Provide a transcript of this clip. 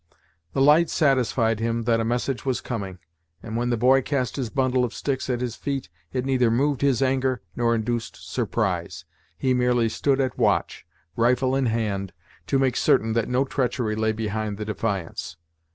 The light satisfied him that a message was coming, and when the boy cast his bundle of sticks at his feet, it neither moved his anger nor induced surprise. He merely stood at watch, rifle in hand, to make certain that no treachery lay behind the defiance.